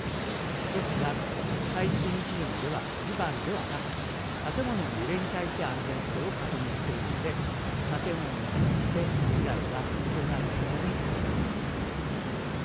ですが耐震基準では地盤ではなく建物の揺れに対して安全性を確認しているので建物によって被害が異なることになります。